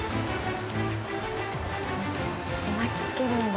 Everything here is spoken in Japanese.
巻きつけるんだ。